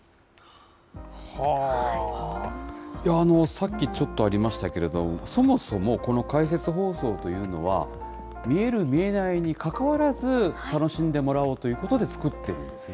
さっきちょっとありましたけれども、そもそもこの解説放送というのは、見える、見えないにかかわらず、楽しんでもらおうということで作っているんですね。